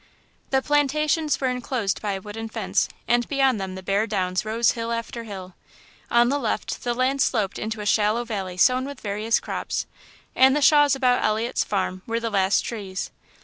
The plantations were enclosed by a wooden fence, and beyond them the bare downs rose hill after hill. On the left the land sloped into a shallow valley sown with various crops; and the shaws about Elliot's farm were the last trees.